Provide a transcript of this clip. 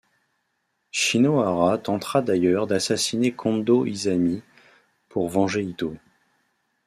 Shinohara tentera d'ailleurs d'assassiner Kondō Isami pour venger Ito.